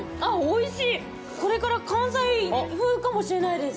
これから関西風かもしれないです。